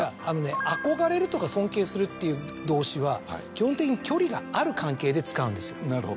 あのね憧れるとか尊敬するっていう動詞は基本的に距離がある関係で使うんですよ。